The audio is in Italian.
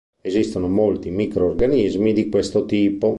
Esistono molti microrganismi di questo tipo.